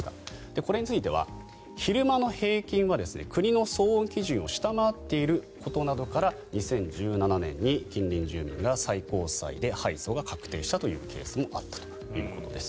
これについては昼間の平均は国の騒音基準を下回っていることなどから２０１７年に近隣住民が最高裁で敗訴が確定したケースもあったということです。